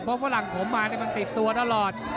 เพราะฝรั่งผมมามันติดตัวตลอด